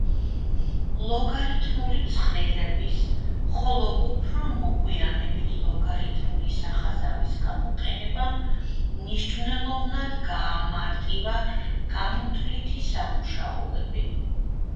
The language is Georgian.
ლოგარითმული ცხრილების, ხოლო უფრო მოგვიანებით ლოგარითმული სახაზავის გამოყენებამ მნიშვნელოვნად გაამარტივა გამოთვლითი სამუშაოები.